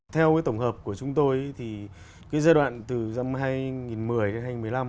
theo cái tổng hợp của chúng tôi thì cái giai đoạn từ năm hai nghìn một mươi đến hai nghìn một mươi năm